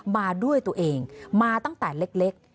มาด้วยตัวเองมาตั้งแต่เล็ก